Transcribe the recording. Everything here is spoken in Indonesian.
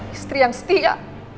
istri yang setia